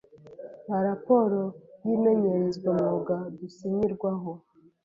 Nta Raporo y'imenyerezwamwuga dusinyirwaho